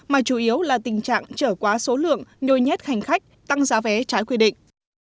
mà chủ yếu là tình trạng trở quá số lượng nôi nhét hành khách tăng giá vé trái quy định